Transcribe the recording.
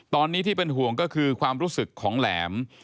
ตอนนี้ที่เป็นห่วงก็คือความรู้สึกของแหลม